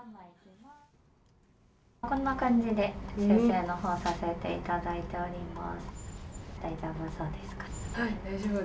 こんな感じで修正のほうさせていただいております。